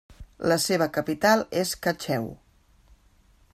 La seva capital és Cacheu.